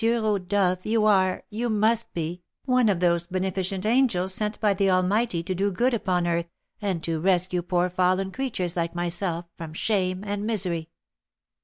Rodolph, you are, you must be, one of those beneficent angels sent by the Almighty to do good upon earth, and to rescue poor fallen creatures, like myself, from shame and misery."